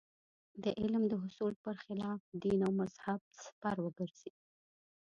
د علم د حصول پر خلاف دین او مذهب سپر وګرځي.